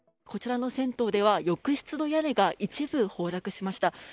こちらの銭湯では浴室の屋根が一部崩落しました。